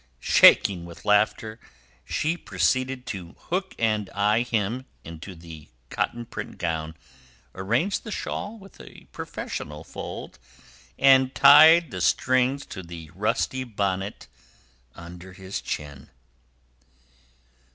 Shaking with laughter, she proceeded to "hook and eye" him into the cotton print gown, arranged the shawl with a professional fold, and tied the strings of the rusty bonnet under his chin.